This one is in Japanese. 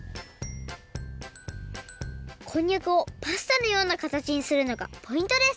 こんにゃくをパスタのようなかたちにするのがポイントです。